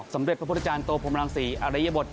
สำเร็จพระพุทธอาจารย์โตพรหมลังศรีอริยบท